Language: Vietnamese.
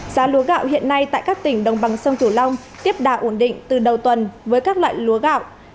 giá lúa gạo hiện nay tại các tỉnh đồng bằng sông cửu long tiếp đà ổn định từ đầu tuần với các loại lúa gạo